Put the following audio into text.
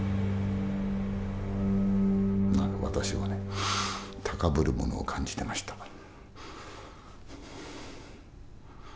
私はね高ぶるものを感じてました。